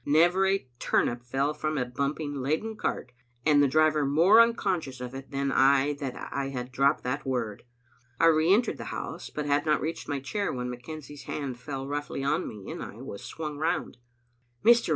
Never a tur nip fell from a bumping, laden cart, and the driver more unconscious of it, than I that I had dropped that word. I re entered the house, but had not reached my chair when McKenzie's hand fell roughly on me, and I was swung round. "Mr.